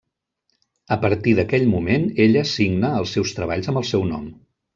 A partir d'aquell moment ella signa els seus treballs amb el seu nom.